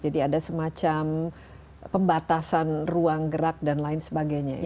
jadi ada semacam pembatasan ruang gerak dan lain sebagainya